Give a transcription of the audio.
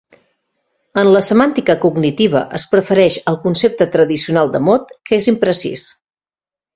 En la semàntica cognitiva es prefereix al concepte tradicional de mot, que és imprecís.